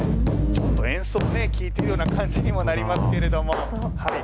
ちょっと演奏を聴いているような感じにもなりますけれども。